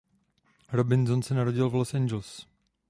Robinson se narodila v Los Angeles.